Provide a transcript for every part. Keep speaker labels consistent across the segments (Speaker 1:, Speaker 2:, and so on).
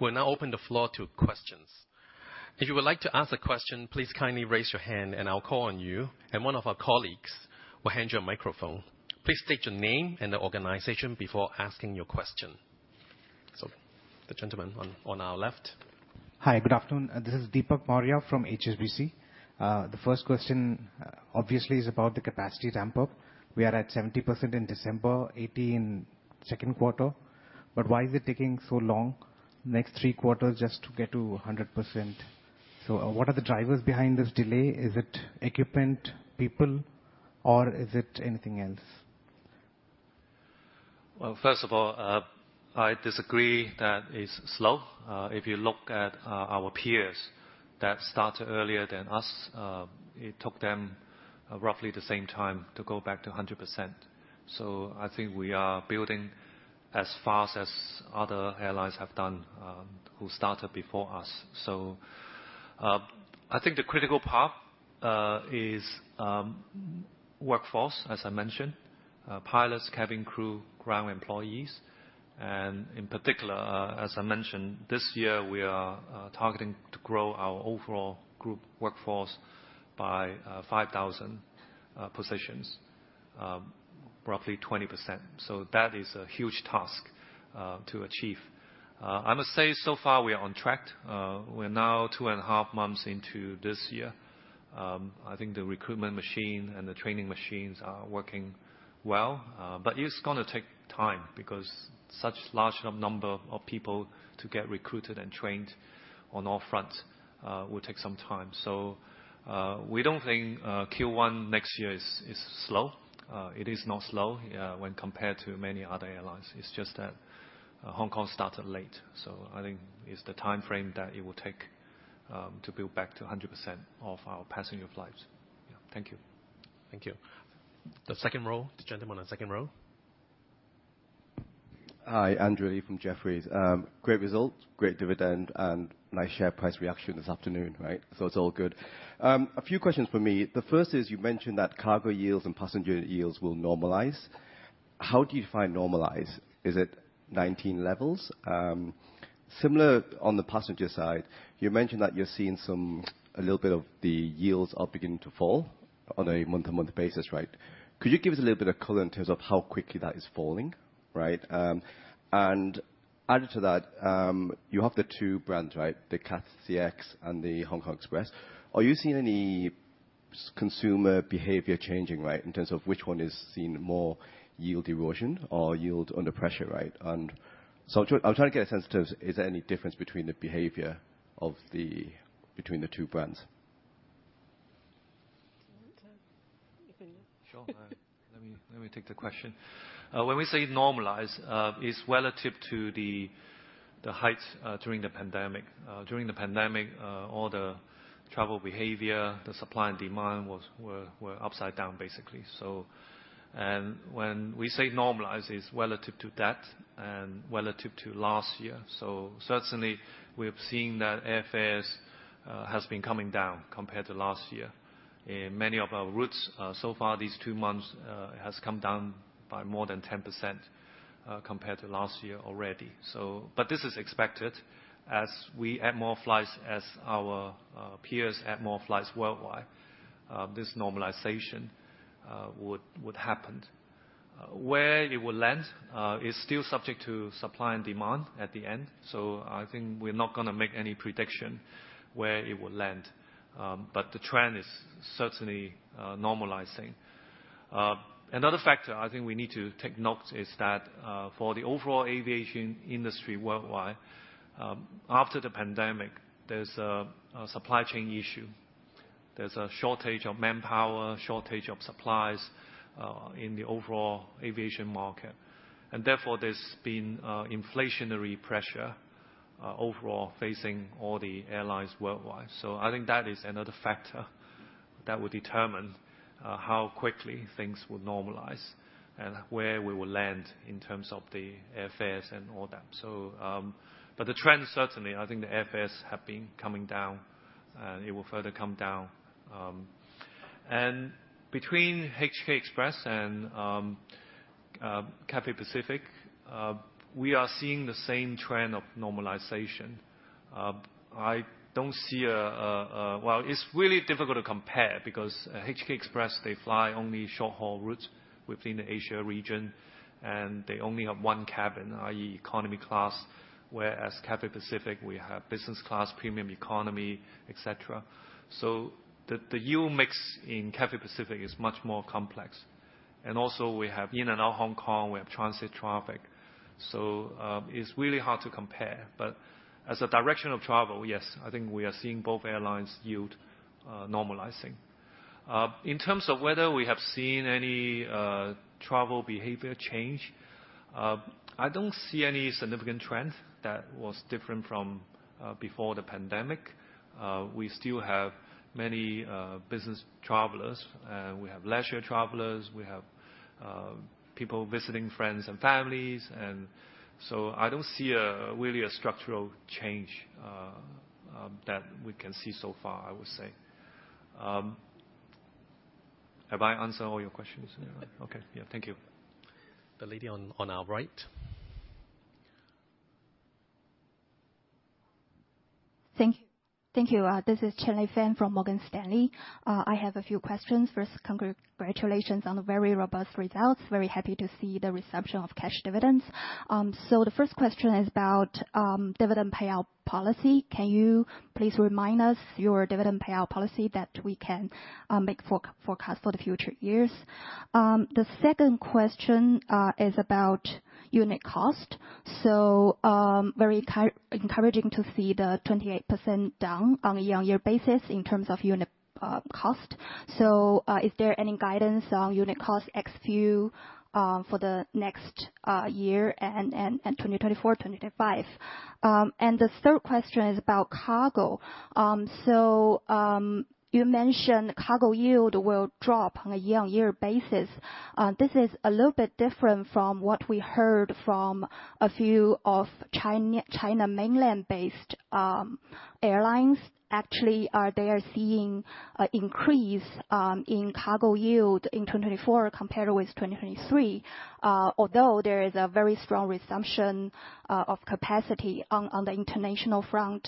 Speaker 1: We'll now open the floor to questions. If you would like to ask a question, please kindly raise your hand and I'll call on you, and one of our colleagues will hand you a microphone. Please state your name and the organization before asking your question. So, the gentleman on our left.
Speaker 2: Hi, good afternoon. This is Deepak Maurya from HSBC. The first question, obviously, is about the capacity ramp-up. We are at 70% in December, 80% in second quarter, but why is it taking so long, next three quarters, just to get to a 100%? So what are the drivers behind this delay? Is it equipment, people, or is it anything else?
Speaker 3: Well, first of all, I disagree that it's slow. If you look at our peers that started earlier than us, it took them roughly the same time to go back to 100%. So I think we are building as fast as other airlines have done, who started before us. So, I think the critical part is workforce, as I mentioned, pilots, cabin crew, ground employees. And in particular, as I mentioned, this year, we are targeting to grow our overall group workforce by 5,000 positions, roughly 20%. So that is a huge task to achieve. I must say, so far, we are on track. We're now two and a half months into this year. I think the recruitment machine and the training machines are working well, but it's gonna take time, because such large number of people to get recruited and trained on all fronts will take some time. So, we don't think Q1 next year is slow. It is not slow when compared to many other airlines. It's just that Hong Kong started late, so I think it's the timeframe that it will take to build back to 100% of our passenger flights.
Speaker 2: Yeah. Thank you.
Speaker 1: Thank you. The second row, the gentleman on the second row.
Speaker 4: Hi, Andrew Lee from Jefferies. Great results, great dividend, and nice share price reaction this afternoon, right? So it's all good. A few questions from me. The first is, you mentioned that cargo yields and passenger yields will normalize. How do you define normalize? Is it 2019 levels? Similar on the passenger side, you mentioned that you're seeing some a little bit of the yields are beginning to fall on a month-to-month basis, right? Could you give us a little bit of color in terms of how quickly that is falling? Right? And added to that, you have the two brands, right? The Cathay CX and the Hong Kong Express. Are you seeing any consumer behavior changing, right, in terms of which one is seeing more yield erosion or yield under pressure, right? And so I'm trying to get a sense to, is there any difference between the behavior of the two brands?
Speaker 3: Sure. Let me take the question. When we say normalize, it's relative to the heights during the pandemic. During the pandemic, all the travel behavior, the supply and demand were upside down, basically, so. And when we say normalize, it's relative to that and relative to last year. So certainly, we have seen that airfares has been coming down compared to last year. In many of our routes, so far, these two months, has come down by more than 10% compared to last year already, so. But this is expected as we add more flights, as our peers add more flights worldwide, this normalization would happen. Where it will land is still subject to supply and demand at the end, so I think we're not gonna make any prediction where it will land, but the trend is certainly normalizing. Another factor I think we need to take note is that, for the overall aviation industry worldwide, after the pandemic, there's a supply chain issue. There's a shortage of manpower, shortage of supplies, in the overall aviation market, and therefore, there's been inflationary pressure overall facing all the airlines worldwide. So I think that is another factor that will determine how quickly things will normalize, and where we will land in terms of the airfares and all that. So, but the trend, certainly, I think the airfares have been coming down, it will further come down. And between HK Express and Cathay Pacific, we are seeing the same trend of normalization. Well, it's really difficult to compare, because HK Express, they fly only short-haul routes within the Asia region, and they only have one cabin, i.e., economy class, whereas Cathay Pacific, we have business class, premium economy, et cetera. So the yield mix in Cathay Pacific is much more complex. And also, we have in and out Hong Kong, we have transit traffic, so it's really hard to compare. But as a direction of travel, yes, I think we are seeing both airlines' yield normalizing. In terms of whether we have seen any travel behavior change, I don't see any significant trend that was different from before the pandemic. We still have many business travelers, we have leisure travelers, we have people visiting friends and families. So I don't see a really structural change that we can see so far, I would say. Have I answered all your questions?
Speaker 4: Yeah. Okay. Yeah, thank you.
Speaker 1: The lady on our right.
Speaker 5: Thank you. Thank you, this is Qianlei Fan from Morgan Stanley. I have a few questions. First, congratulations on the very robust results. Very happy to see the reception of cash dividends. So the first question is about, dividend payout policy. Can you please remind us your dividend payout policy that we can, make forecast for the future years? The second question is about unit cost. So, very encouraging to see the 28% down on a year-on-year basis in terms of unit, cost. So, is there any guidance on unit cost ex-fuel, for the next, year and 2024, 2025? And the third question is about cargo. So, you mentioned cargo yield will drop on a year-on-year basis. This is a little bit different from what we heard from a few of China mainland-based airlines. Actually, they are seeing an increase in cargo yield in 2024 compared with 2023, although there is a very strong resumption of capacity on the international front.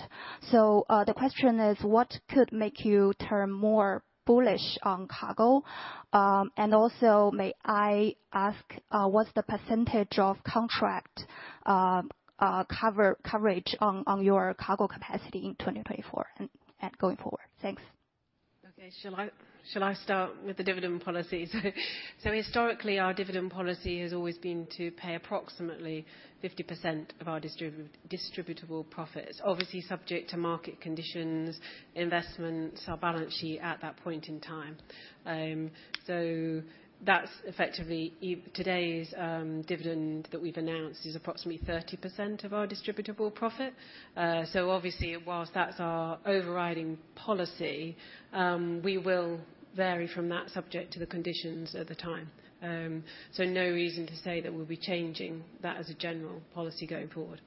Speaker 5: So, the question is: What could make you turn more bullish on cargo? And also, may I ask, what's the percentage of contract coverage on your cargo capacity in 2024 and going forward? Thanks.
Speaker 6: Okay. Shall I start with the dividend policy? So historically, our dividend policy has always been to pay approximately 50% of our distributable profits. Obviously, subject to market conditions, investments, our balance sheet at that point in time. So that's effectively today's dividend that we've announced is approximately 30% of our distributable profit. So obviously, while that's our overriding policy, we will vary from that, subject to the conditions at the time. So no reason to say that we'll be changing that as a general policy going forward.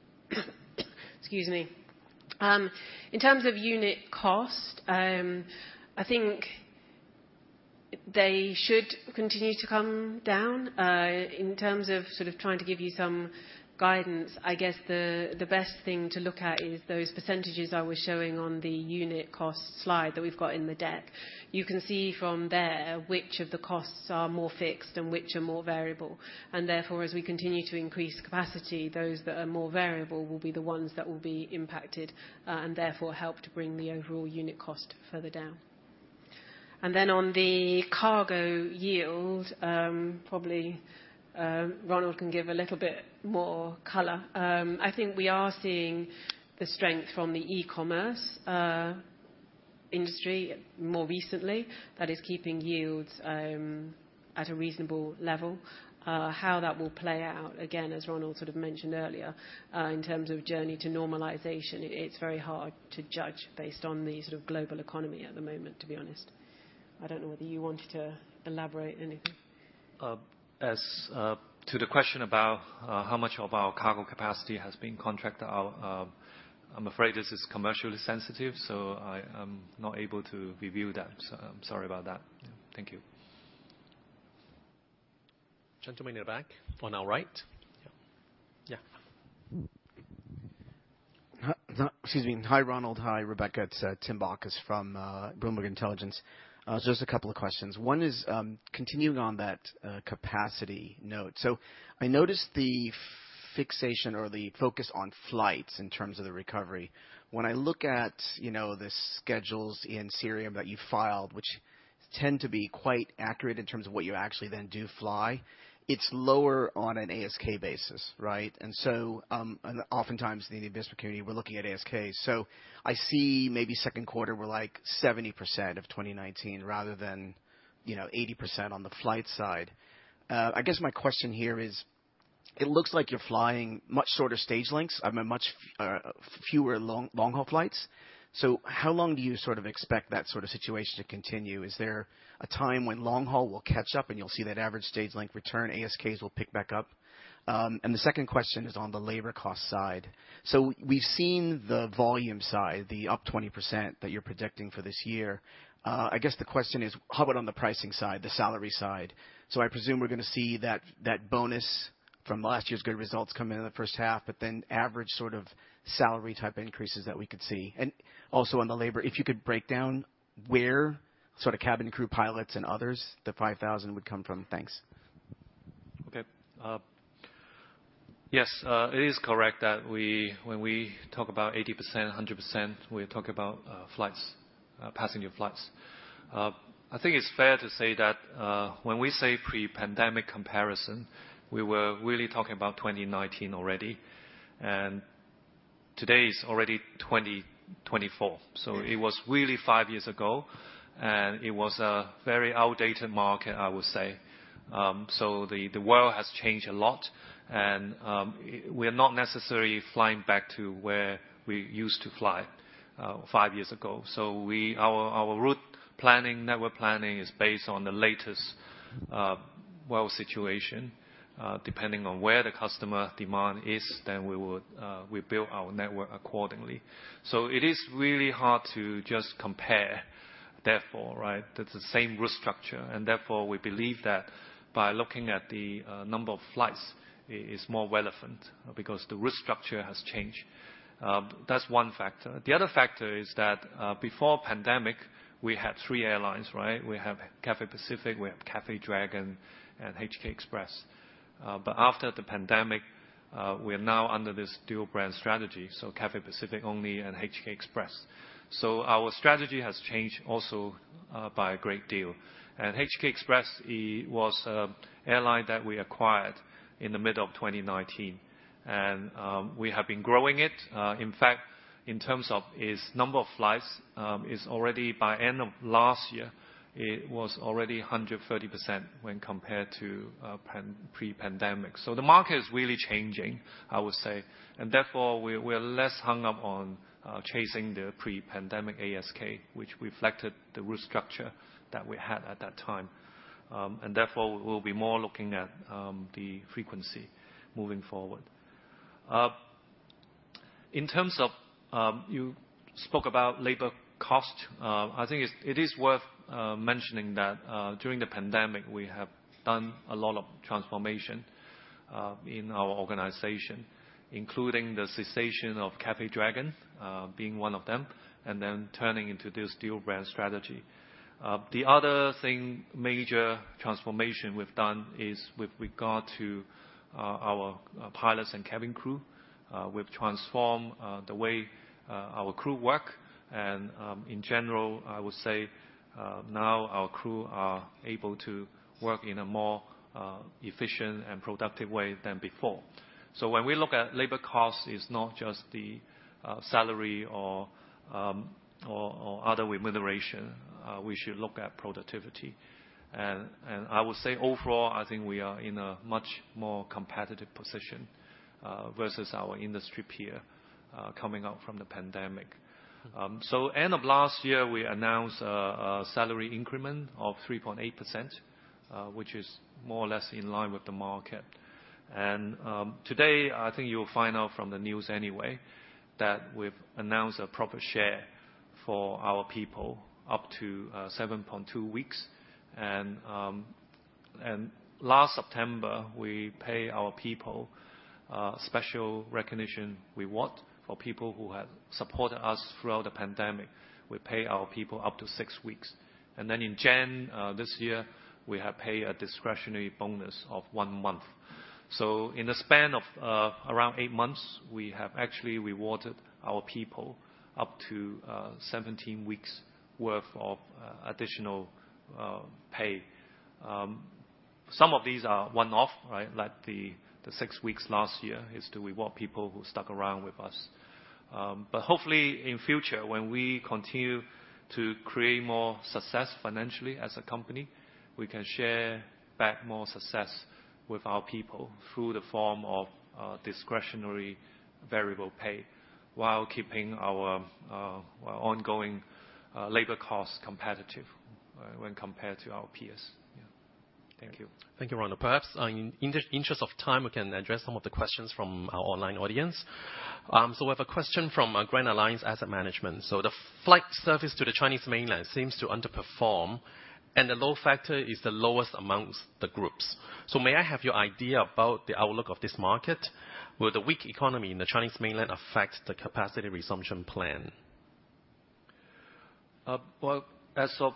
Speaker 6: Excuse me. In terms of unit cost, I think they should continue to come down. In terms of sort of trying to give you some guidance, I guess the best thing to look at is those percentages I was showing on the unit cost slide that we've got in the deck. You can see from there which of the costs are more fixed and which are more variable, and therefore, as we continue to increase capacity, those that are more variable will be the ones that will be impacted, and therefore help to bring the overall unit cost further down. And then on the cargo yield, probably, Ronald can give a little bit more color. I think we are seeing the strength from the e-commerce industry more recently, that is keeping yields at a reasonable level. How that will play out, again, as Ronald sort of mentioned earlier, in terms of journey to normalization, it's very hard to judge based on the sort of global economy at the moment, to be honest. I don't know whether you wanted to elaborate anything.
Speaker 3: As to the question about how much of our cargo capacity has been contracted out, I'm afraid this is commercially sensitive, so I am not able to reveal that. So I'm sorry about that. Thank you.
Speaker 1: Gentleman in the back, on our right. Yeah.
Speaker 7: Excuse me. Hi, Ronald. Hi, Rebecca. It's Tim Bacchus from Bloomberg Intelligence. So just a couple of questions. One is, continuing on that capacity note. So I noticed the fixation or the focus on flights in terms of the recovery. When I look at, you know, the schedules in Cirium that you filed, which tend to be quite accurate in terms of what you actually then do fly, it's lower on an ASK basis, right? And so, and oftentimes in the investment community, we're looking at ASK. So I see maybe second quarter we're, like, 70% of 2019, rather than, you know, 80% on the flight side. I guess my question here is, it looks like you're flying much shorter stage lengths. I mean, much fewer long-haul flights. So how long do you sort of expect that sort of situation to continue? Is there a time when long haul will catch up and you'll see that average stage length return, ASKs will pick back up? And the second question is on the labor cost side. So we've seen the volume side, the up 20% that you're predicting for this year. I guess the question is, how about on the pricing side, the salary side? So I presume we're gonna see that, that bonus from last year's good results come in in the first half, but then average sort of salary-type increases that we could see. And also on the labor, if you could break down where, sort of, cabin crew, pilots, and others, the 5,000 would come from. Thanks.
Speaker 3: Okay. Yes, it is correct that we, when we talk about 80%, 100%, we talk about flights, passenger flights. I think it's fair to say that, when we say pre-pandemic comparison, we were really talking about 2019 already, and today is already 2024.
Speaker 7: Mm-hmm.
Speaker 3: So it was really five years ago, and it was a very outdated market, I would say. So the world has changed a lot, and we are not necessarily flying back to where we used to fly five years ago. So our route planning, network planning, is based on the latest, well, situation, depending on where the customer demand is, then we would build our network accordingly. So it is really hard to just compare, therefore, right? That's the same route structure, and therefore, we believe that by looking at the number of flights is more relevant, because the route structure has changed. That's one factor. The other factor is that before pandemic, we had three airlines, right? We have Cathay Pacific, we have Cathay Dragon, and HK Express. But after the pandemic, we are now under this dual brand strategy, so Cathay Pacific only and HK Express. So our strategy has changed also, by a great deal. And HK Express, it was a airline that we acquired in the middle of 2019, and we have been growing it. In fact, in terms of its number of flights, it's already by end of last year, it was already 130% when compared to pre-pandemic. So the market is really changing, I would say, and therefore, we, we're less hung up on chasing the pre-pandemic ASK, which reflected the route structure that we had at that time. And therefore, we'll be more looking at the frequency moving forward. In terms of. You spoke about labor cost. I think it is worth mentioning that during the pandemic, we have done a lot of transformation in our organization, including the cessation of Cathay Dragon being one of them, and then turning into this dual brand strategy. The other thing, major transformation we've done is with regard to our pilots and cabin crew. We've transformed the way our crew work, and in general, I would say now our crew are able to work in a more efficient and productive way than before. So when we look at labor costs, it's not just the salary or other remuneration. We should look at productivity. And I would say, overall, I think we are in a much more competitive position versus our industry peer coming out from the pandemic. So end of last year, we announced a salary increment of 3.8%, which is more or less in line with the market. And today, I think you'll find out from the news anyway, that we've announced a profit share for our people up to 7.2 weeks. And last September, we pay our people special recognition reward for people who have supported us throughout the pandemic. We pay our people up to six weeks. And then in January, this year, we have paid a discretionary bonus of one month. So in the span of around eight months, we have actually rewarded our people up to 17 weeks worth of additional pay. Some of these are one-off, right? Like the six weeks last year is to reward people who stuck around with us. But hopefully, in future, when we continue to create more success financially as a company, we can share back more success with our people through the form of discretionary variable pay, while keeping our ongoing labor costs competitive when compared to our peers.
Speaker 7: Yeah. Thank you.
Speaker 1: Thank you, Ronald. Perhaps, in the interest of time, we can address some of the questions from our online audience. So we have a question from Grand Alliance Asset Management: "So the flight service to the Chinese mainland seems to underperform, and the load factor is the lowest amongst the groups. So may I have your idea about the outlook of this market? Will the weak economy in the Chinese mainland affect the capacity resumption plan?
Speaker 3: Well, as of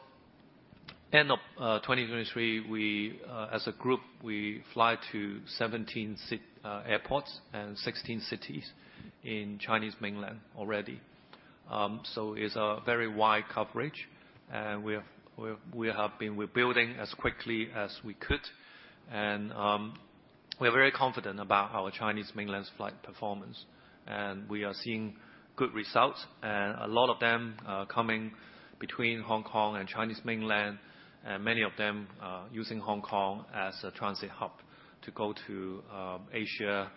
Speaker 3: end of 2023, we, as a group, we fly to 17 airports and 16 cities in Chinese mainland already. So it's a very wide coverage, and we have been rebuilding as quickly as we could. We're very confident about our Chinese mainland's flight performance, and we are seeing good results, and a lot of them coming between Hong Kong and Chinese mainland, and many of them using Hong Kong as a transit hub to go to Asia,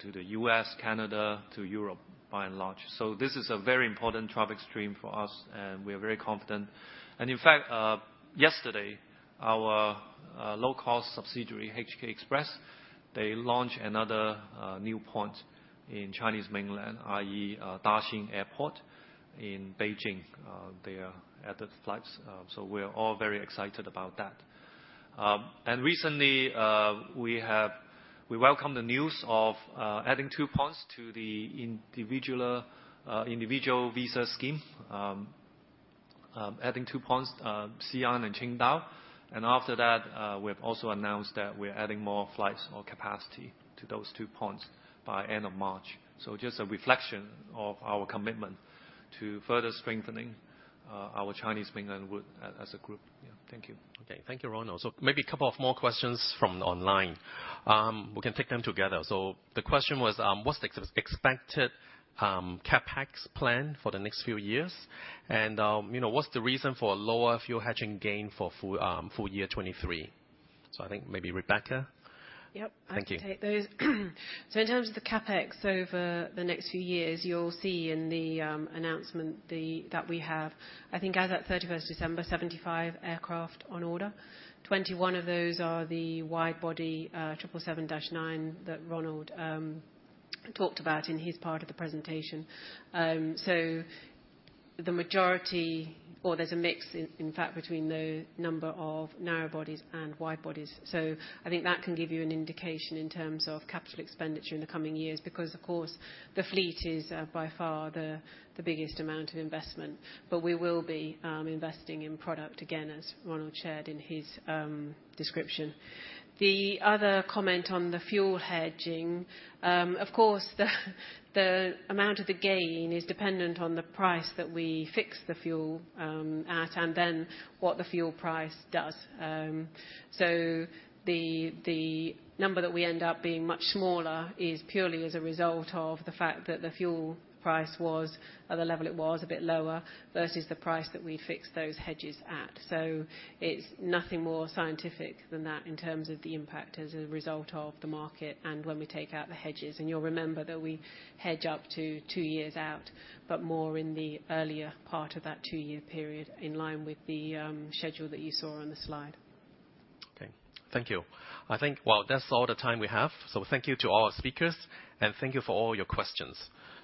Speaker 3: to the U.S., Canada, to Europe, by and large. So this is a very important traffic stream for us, and we are very confident. And in fact, yesterday, our low-cost subsidiary, HK Express, they launched another new point in Chinese mainland, i.e., Beijing Daxing Airport. They are added flights, so we're all very excited about that. And recently, we welcome the news of adding two points to the Individual Visit Scheme. Adding two points, Xi'an and Qingdao, and after that, we've also announced that we're adding more flights or capacity to those two points by end of March. So just a reflection of our commitment to further strengthening our Chinese mainland route as a group. Yeah. Thank you.
Speaker 1: Okay. Thank you, Ronald. So maybe a couple of more questions from online. We can take them together. So the question was: "What's the expected CapEx plan for the next few years? And, you know, what's the reason for a lower fuel hedging gain for full year 2023?" So I think maybe Rebecca?
Speaker 6: Yep.
Speaker 1: Thank you.
Speaker 6: I can take those. So in terms of the CapEx over the next few years, you'll see in the announcement, that we have, I think, as at 31st December, 75 aircraft on order. 21 of those are the wide-body, 777-9 that Ronald talked about in his part of the presentation. So the majority or there's a mix in, in fact, between the number of narrow bodies and wide bodies. So I think that can give you an indication in terms of capital expenditure in the coming years, because of course, the fleet is by far the biggest amount of investment. But we will be investing in product again, as Ronald shared in his description. The other comment on the fuel hedging, of course, the amount of the gain is dependent on the price that we fix the fuel at, and then what the fuel price does. So the number that we end up being much smaller is purely as a result of the fact that the fuel price was at the level it was, a bit lower, versus the price that we fixed those hedges at. So it's nothing more scientific than that in terms of the impact as a result of the market and when we take out the hedges. And you'll remember that we hedge up to two years out, but more in the earlier part of that two-year period, in line with the schedule that you saw on the slide.
Speaker 1: Okay. Thank you. I think, well, that's all the time we have, so thank you to all our speakers, and thank you for all your questions.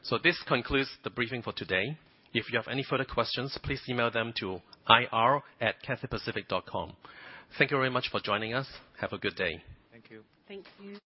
Speaker 1: So this concludes the briefing for today. If you have any further questions, please email them to ir@cathaypacific.com. Thank you very much for joining us. Have a good day.
Speaker 3: Thank you.
Speaker 6: Thank you.